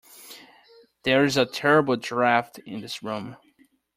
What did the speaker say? There is a terrible draught in this room